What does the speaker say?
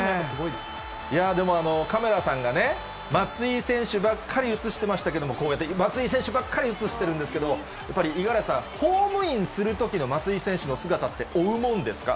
でも、カメラさんが、松井選手ばっかり映してましたけど、こうやって松井選手ばっかり写してるんですけど、やっぱり五十嵐さん、ホームインするときの松井選手の姿って追うものなんですか？